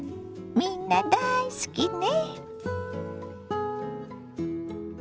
みんな大好きね。